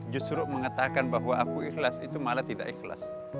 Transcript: justru mengatakan bahwa aku ikhlas itu malah tidak ikhlas